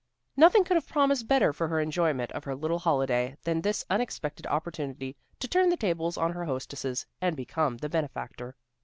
Nothing could have promised better for her enjoyment of her little holiday than this unexpected opportunity to turn the tables on her hostesses, and become the benefactor.